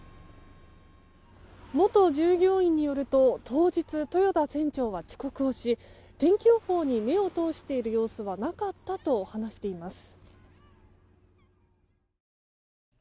元従業員によると当日、豊田船長は遅刻をし天気予報に目を通している様子はなかったと話しています。